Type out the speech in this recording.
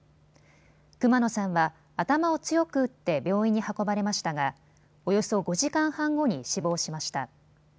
熊野さんは頭を強く打って病院に運ばれましたがおよそ５時間半後に死亡しました。